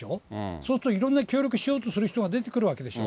そうするといろんな協力しようとする人が出てくるわけでしょ。